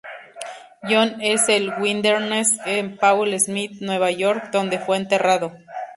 John es en el Wilderness en Paul Smith, Nueva York, donde fue enterrado.